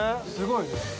すごいね。